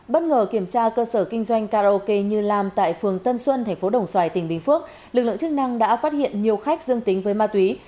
bất ngờ kiểm tra cơ sở kinh doanh karaoke như lam tại phường tân xuân tp đồng xoài tỉnh bình phước lực lượng chức năng đã phát hiện nhiều khách dương tính với ma túy